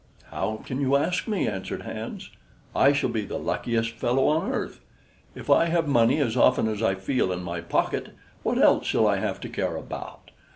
"How can you ask me?" answered Hans. "I shall be the luckiest fellow on earth. If I have money as often as I feel in my pocket, what else shall I have to care about?"